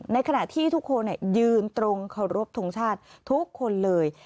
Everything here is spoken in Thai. ในขณะที่ทุกคนยืนตรงเคารพทงชาติทุกคนเลย